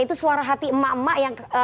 itu suara hati emak emak yang